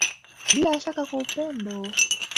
Bila ya shaka kwa upendo.